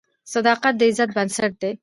صداقت د عزت بنسټ دی.